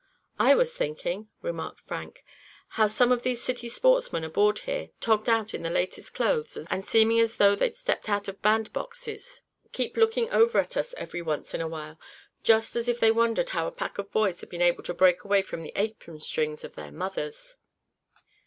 "I was thinking," remarked Frank, "how some of these city sportsmen aboard here, togged out in the latest clothes, and seeming as though they'd stepped out of bandboxes, keep looking over at us every once in a while, just as if they wondered how a pack of boys had been able to break away from the apron strings of their mothers."